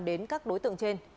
đến các đối tượng trên